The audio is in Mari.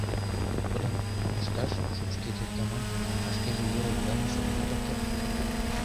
Тудым кушташ шупшкедет да монь, а шкеже йол ӱмбалне шогенат от керт.